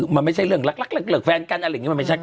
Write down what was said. มันไม่ใช่เรื่องเลิกแฟนกันเมื่อกี้